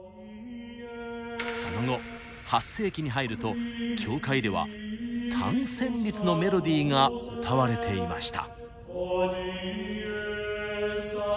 その後８世紀に入ると教会では単旋律のメロディーが歌われていました。